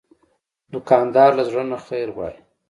دوکاندار له زړه نه خیر غواړي.